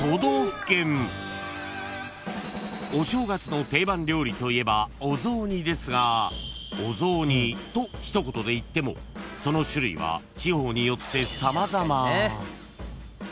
［お正月の定番料理といえばお雑煮ですがお雑煮と一言でいってもその種類は地方によって様々］